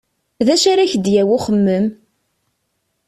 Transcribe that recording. D acu ara k-d-yawi uxemmem?